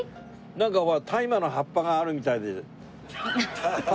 なんか大麻の葉っぱがあるみたいで。